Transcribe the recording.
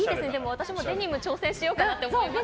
私もデニム挑戦しようかなって思いました。